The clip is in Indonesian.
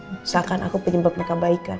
misalkan aku penyebab mereka baikan